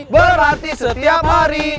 berlatih setiap hari